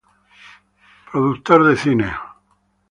Productor de cine.